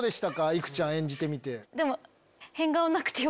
いくちゃん演じてみて。